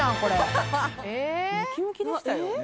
・えっ・ムキムキでしたよ